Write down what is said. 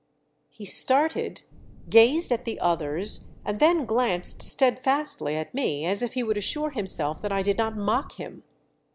He started, gazed at the others, and then glanced steadfastly at me as if he would assure himself that I did not mock him.